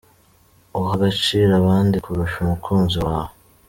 Uha agaciro abandi kurusha umukunzi wawe.